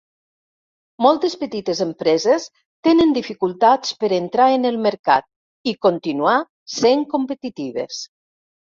Moltes petites empreses tenen dificultats per entrar en el mercat i continuar sent competitives.